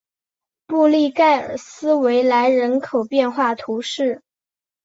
布利盖尔斯维莱人口变化图示